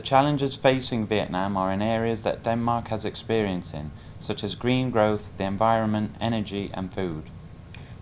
những thách thức của việt nam đang ngập phải là những lĩnh vực mà đan mạch có thế mạnh như tăng trưởng xanh môi trường năng lượng thực phẩm